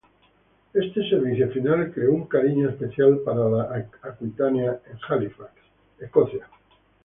Este servicio final creó un cariño especial para el "Aquitania" en Halifax, Nueva Escocia.